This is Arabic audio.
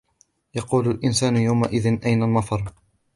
يقول الإنسان يومئذ أين المفر